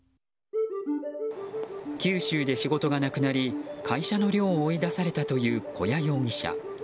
九州で仕事がなくなり会社の寮を追い出されたという古屋容疑者。